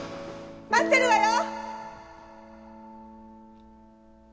待ってるわよ！